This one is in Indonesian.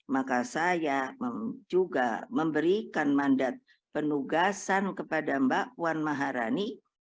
maka saya juga memberikan mandat penugasan kepada mbak puan maharani